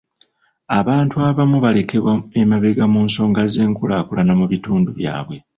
Abantu abamu balekebwa emabega mu nsonga z'enkulaakulana mu bitundu byabwe.